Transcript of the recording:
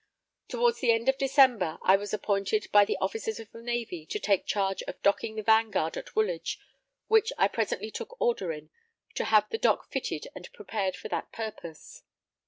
Towards the end of December, I was appointed by the Officers of the Navy to take charge of docking the Vanguard at Woolwich, which I presently took order in, to have the dock fitted and prepared for that purpose.